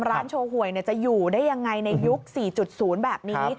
ร้านโชว์หวยจะอยู่ได้ยังไงในยุค๔๐แบบนี้